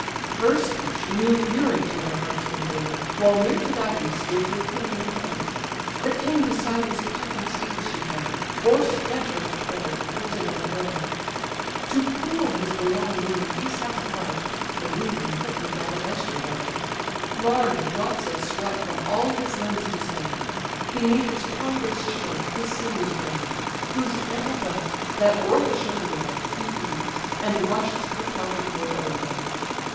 Her speech new fury to their hearts convey'd; While near Tydides stood the Athenian maid; The king beside his panting steeds she found, O'erspent with toil reposing on the ground; To cool his glowing wound he sat apart, (The wound inflicted by the Lycian dart.) Large drops of sweat from all his limbs descend, Beneath his ponderous shield his sinews bend, Whose ample belt, that o'er his shoulder lay, He eased; and wash'd the clotted gore away.